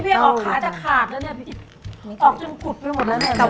พี่เขาก็ออกขาดจากข่าบแล้วออกจนขุดไปหมดแล้ว